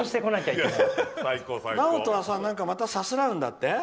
ナオトはさまたさすらうんだって？